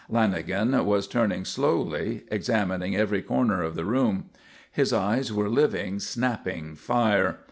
Lanagan was turning slowly, examining every corner of the room. His eyes were living, snapping fire.